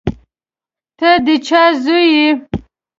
ته د چا زوی یې.